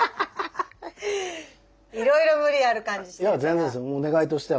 いろいろ無理ある感じして。